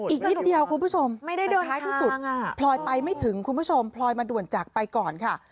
อีกนิดเดียวคุณผู้ชมท้ายที่สุดพลอยไปไม่ถึงคุณผู้ชมพลอยมาด่วนจากไปก่อนค่ะ